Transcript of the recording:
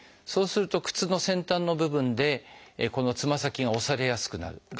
そうすると靴の先端の部分でこのつま先が押されやすくなる。